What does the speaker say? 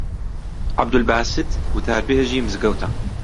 عەبدولباست وتاربێژی مزگەوتە